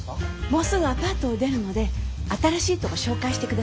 もうすぐアパートを出るので新しいとこ紹介してください。